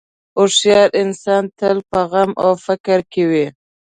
هوښیار انسان تل په غم او فکر کې وي.